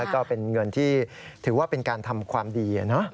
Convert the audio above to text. แล้วก็เป็นเงินที่ถือว่าเป็นการทำความดี